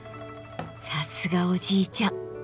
さすがおじいちゃん。